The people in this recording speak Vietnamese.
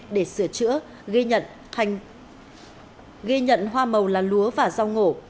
để sửa chữa ghi nhận hoa màu là lúa và rau ngổ